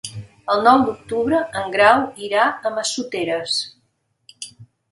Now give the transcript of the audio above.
El nou d'octubre en Grau irà a Massoteres.